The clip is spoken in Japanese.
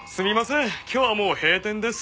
今日はもう閉店です。